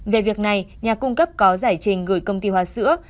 về việc này nhà cung cấp có giải trình gửi công ty hoa sữa